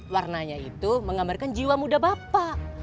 warnanya itu menggambarkan jiwa muda bapak